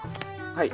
はい。